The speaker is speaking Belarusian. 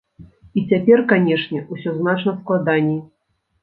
І цяпер, канешне, усё значна складаней.